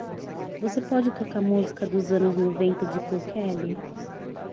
Você pode tocar música dos anos noventa de Paul Kelly?